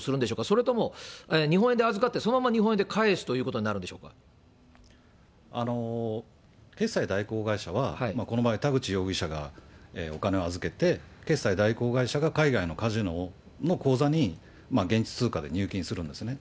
それとも日本円で預かって、そのまま日本円で返すということにな決済代行会社は、この場合、田口容疑者がお金を預けて、決済代行会社が海外のカジノの口座に現地通貨で入金するんですね。